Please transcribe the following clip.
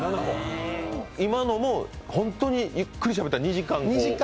今のも本当にゆっくりしゃべったら２時間？